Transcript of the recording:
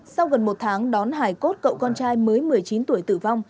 sau gần một tháng đón hải cốt cậu con trai mới một mươi chín tuổi tử vong